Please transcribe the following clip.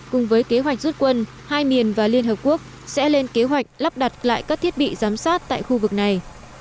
cùng với kế hoạch rút quân hai miền và liên hợp quốc sẽ lên kế hoạch lắp đặt lại các thiết bị giám sát tại khu vực này